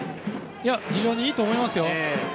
非常にいいと思いますよ。